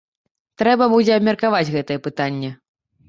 Трэба будзе абмеркаваць гэтае пытанне.